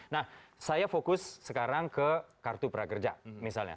nah saya fokus sekarang ke kartu prakerja misalnya